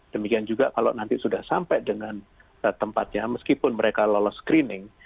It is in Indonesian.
demikian juga kalau nanti sudah sampai dengan tempatnya meskipun mereka lolos screening